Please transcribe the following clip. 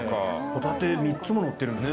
ホタテ３つものってるんですね。